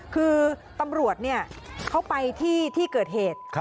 คือตำรวจเขาไปที่เกิดเหตุ